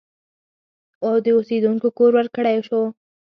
او د اوسېدو کور ورکړی شو